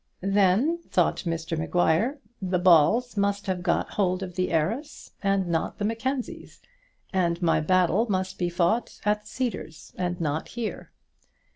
Then, thought Mr Maguire, the Balls must have got hold of the heiress, and not the Mackenzies, and my battle must be fought at the Cedars, and not here.